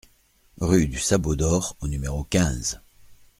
Rue du Sabot d'Or au numéro quinze